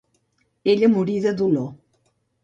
Ella morí de dolor.